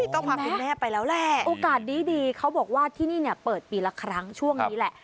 ก็พาคุณแม่ไปแล้วแหละโอกาสดีเขาบอกว่าที่นี่เนี่ยเปิดปีละครั้งช่วงนี้แหละ